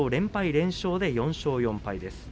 連勝で４勝４敗です。